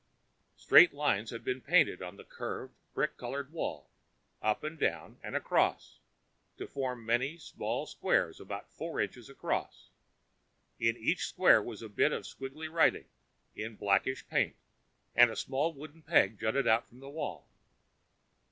Straight lines had been painted on the curved brick colored wall, up and down and across, to form many small squares about four inches across. In each square was a bit of squiggly writing, in blackish paint, and a small wooden peg jutting out from the wall.